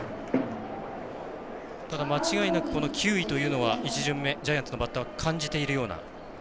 間違いなく球威というのは１巡目、ジャイアンツのバッターは感じているような。